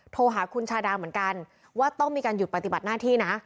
โทรหาคุณชาดาเหมือนกันว่าต้องมีการหยุดปฏิบัติหน้าที่นะ